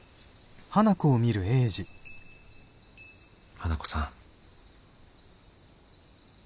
花子さん。